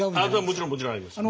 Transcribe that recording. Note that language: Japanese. もちろんもちろんあります。